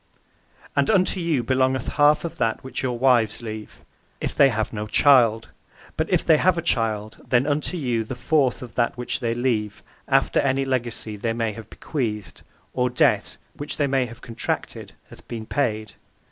P: And unto you belongeth a half of that which your wives leave, if they have no child; but if they have a child then unto you the fourth of that which they leave, after any legacy they may have bequeathed, or debt (they may have contracted, hath been paid).